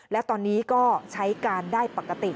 และตอนนี้ก็ใช้การได้ปกติ